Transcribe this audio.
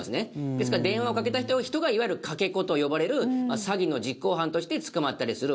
ですから電話をかけた人がいわゆるかけ子と呼ばれる詐欺の実行犯として捕まったりするわけですね。